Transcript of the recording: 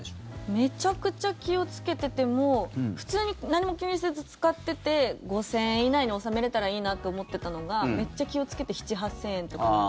めちゃくちゃ気をつけてても普通に何も気にせず使ってて５０００円以内に収めれたらいいなと思ってたのがめっちゃ気をつけて７０００８０００円とかなんで。